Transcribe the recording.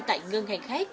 tại ngân hàng khác